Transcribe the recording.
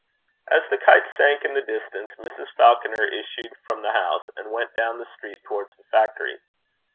As the kite sank in the distance, Mrs. Falconer issued from the house, and went down the street towards the factory.